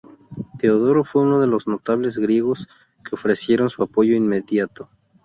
Teodoro fue uno de los notables griegos que ofrecieron su apoyo inmediato.